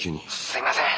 すいません。